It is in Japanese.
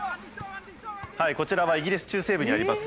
こちらはイギリス中西部にあります